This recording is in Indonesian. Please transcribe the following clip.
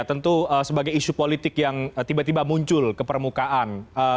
tentu sebagai isu politik yang tiba tiba muncul ke permukaan